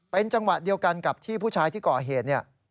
เป็นจังหวะเดียวกันกับที่ผู้ชายที่ก่อเหตุเนี่ย